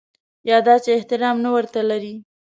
یا دا چې احترام نه ورته لري.